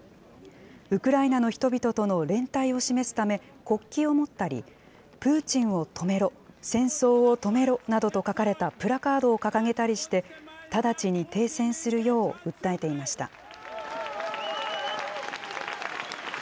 ウクライナの人々との連帯を示すため、国旗を持ったり、プーチンを止めろ、戦争を止めろなどと書かれたプラカードを掲げたりして、直ちに停戦するよう訴えていました。